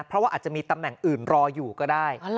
เพราะว่าอาจจะมีตำแหน่งอื่นรออยู่ก็ได้